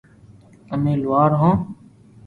امي لوھار ھون